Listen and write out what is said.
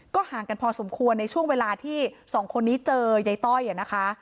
ห่างกันพอสมควรในช่วงเวลาที่สองคนนี้เจอยายต้อยนะคะ